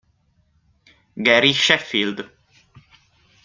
Gary Sheffield